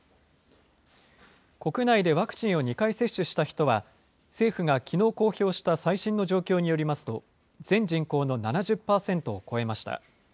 国内でワクチンを２回接種した人は、政府がきのう公表した最新の状況によりますと、全人口の７０％を超えました。